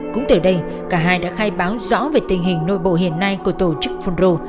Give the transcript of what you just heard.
cũng từ đây cả hai đã khai báo rõ về tình hình nội bộ hiện nay của tổ chức phun rô